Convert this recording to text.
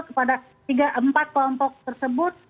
kepada empat kelompok tersebut